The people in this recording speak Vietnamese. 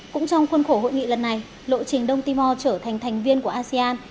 cũng trong khuôn khổ hội nghị lần này lộ trình đông timor trở thành thành viên của asean